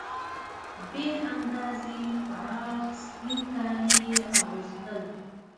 بې اندازې پراخ سپین کالي یې اغوستل.